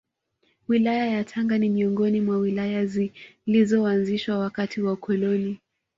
Wilaya yaTanga ni miongoni mwa Wilaya zilizoanzishwa wakati wa ukoloni